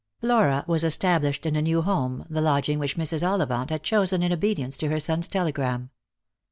Flcka was established in a new home, the lodging which Mrs. Ollivant had chosen in obedience to her son's telegram.